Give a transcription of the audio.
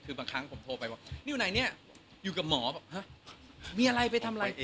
คือบางครั้งผมโทรไปว่านี่อยู่ไหนเนี่ยอยู่กับหมอบอกฮะมีอะไรไปทำอะไรสิ